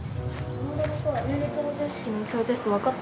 この間のさ連立方程式の小テストわかった？